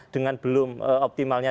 dengan belum optimalnya